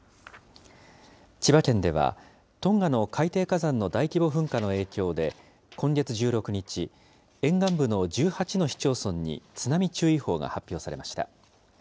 千葉県ではトンガの海底火山の大規模噴火の影響で、今月１６日、沿岸部の１８の市町村に津波注意報が発表されました。